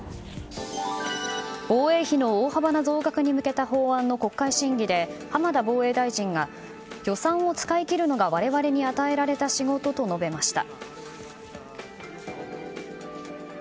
防衛費の大幅な増額に向けた法案の国会審議で浜田防衛大臣が予算を使い切るのが我々に与えられた仕事と述べました。